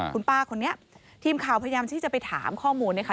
คุณป้าคนนี้ทีมข่าวพยายามที่จะไปถามข้อมูลเนี่ยค่ะ